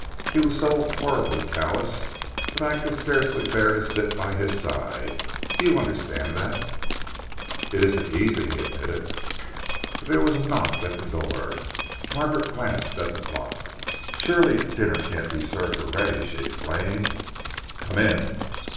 He was so horribly callous that I could scarcely bear to sit by his side. Do you understand that?" "It isn't easy," he admitted. There was a knock at the door. Margaret glanced at the clock. "Surely dinner can't be served already!" she exclaimed. "Come in."